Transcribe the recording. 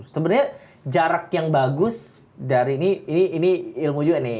sebenarnya jarak yang bagus dari ini ini ilmu juga nih